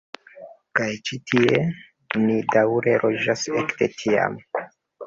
Kaj ĉi tie ni daŭre loĝas ekde tiam.